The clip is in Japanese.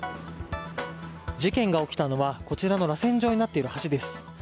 事件が起きたのはこちらのらせん状になっている橋です。